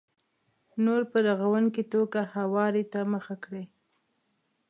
نو په رغونکې توګه هواري ته مخه کړئ.